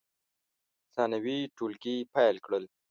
ثانوي ټولګي پیل کړل.